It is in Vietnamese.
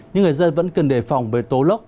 nhưng người dân vẫn cần đề phòng về tố lớp